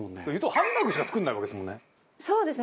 ハンバーグしか作れないわけですもんね。